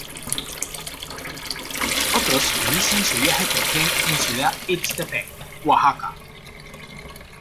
Otros inician su viaje por tren en Ciudad Ixtepec, Oaxaca.